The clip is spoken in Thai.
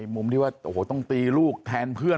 มุมที่ว่าโอ้โหต้องตีลูกแทนเพื่อน